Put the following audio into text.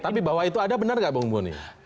tapi bahwa itu ada benar nggak bang mboni